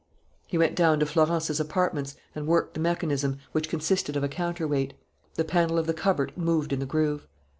He went down to Florence's apartments and worked the mechanism, which consisted of a counterweight. The panel of the cupboard moved in the groove.